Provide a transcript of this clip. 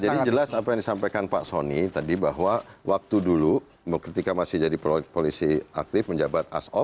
jadi jelas apa yang disampaikan pak sony tadi bahwa waktu dulu ketika masih jadi polisi aktif menjabat as of